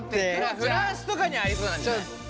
フランスとかにありそうなんじゃない？